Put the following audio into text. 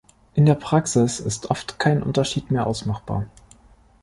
In der Praxis ist oft kein Unterschied mehr ausmachbar.